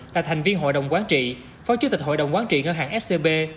là thành viên hội đồng quán trị phóng chức tịch hội đồng quán trị ngân hàng scb